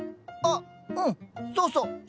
あっうんそうそう。